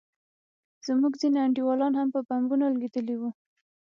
زموږ ځينې انډيوالان هم په بمونو لگېدلي وو.